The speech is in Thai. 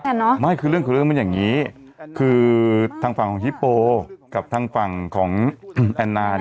ไม่คือเรื่องของเรื่องมันอย่างนี้คือทางฝั่งของฮิปโปกับทางฝั่งของแอนนา